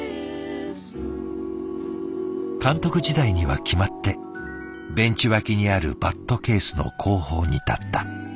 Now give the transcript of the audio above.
監督時代には決まってベンチ脇にあるバットケースの後方に立った。